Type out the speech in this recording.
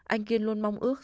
anh kiên luôn mong ước